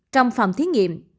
trong phòng thí nghiệm